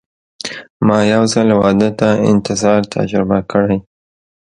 ما یو ځل واده ته انتظار تجربه کړی.